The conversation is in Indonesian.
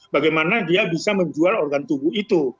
bagaimana dia bisa menjual organ tubuh itu